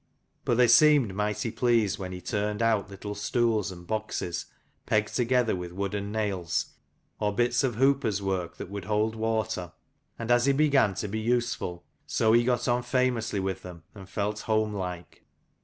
But they seemed mighty pleased when he turned out little stools and boxes, pegged together with wooden nails, or bits of hooper's work that would hold water. And as he began to be useful, so he got on famously with them and felt homelike.